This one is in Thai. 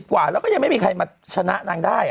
กว่าแล้วก็ยังไม่มีใครมาชนะนางได้